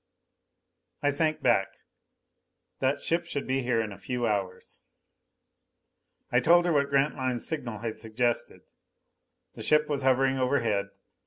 I sank back. "That ship should be here in a few hours." I told her what Grantline's signal had suggested; the ship was hovering overhead.